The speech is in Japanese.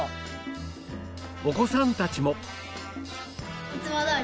お子さんたちも